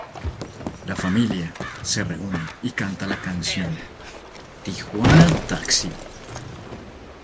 La familia se reúne y canta la canción "Tijuana Taxi".